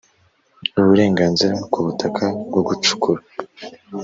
Uburenganzira ku butaka bwo gucukura